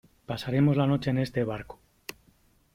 pasaremos la noche en este barco .